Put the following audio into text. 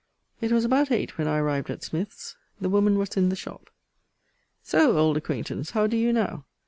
It was about eight when I arrived at Smith's. The woman was in the shop. So, old acquaintance, how do you now?